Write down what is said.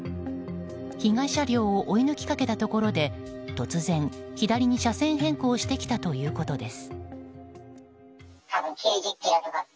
被害車両を追い抜きかけたところで突然左に車線変更してきたということです。